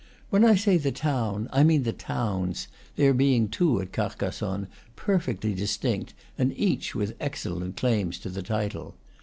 When I say the town, I mean the towns; there being two at Car cassonne, perfectly distinct, and each with excellent claims to the title.